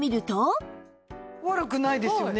悪くないですよね。